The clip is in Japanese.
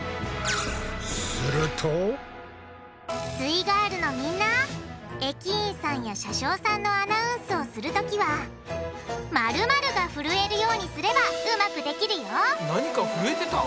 イガールのみんな駅員さんや車掌さんのアナウンスをするときはが震えるようにすればうまくできるよ何か震えてた？